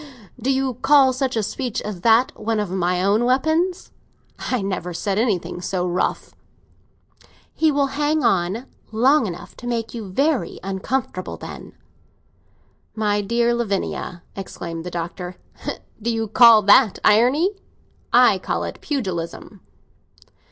"Do you call such a speech as that one of my own weapons? I never said anything so rough." "He will hang on long enough to make you very uncomfortable, then." "My dear Lavinia," exclaimed the Doctor, "do you call that irony? I call it pugilism."